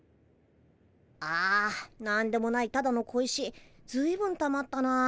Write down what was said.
あなんでもないただの小石ずいぶんたまったなあ。